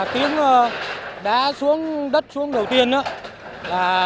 tiếng đá xuống đất xuống đầu tiên